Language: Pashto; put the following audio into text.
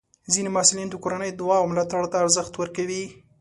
ځینې محصلین د کورنۍ دعا او ملاتړ ته ارزښت ورکوي.